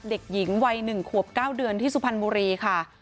เด็กหญิงวัย๑ขวบ๙เดือนที่สุพรรณบุรีค่ะ